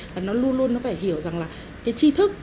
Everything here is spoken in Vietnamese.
là nó luôn luôn nó phải hiểu rằng là cái chi thức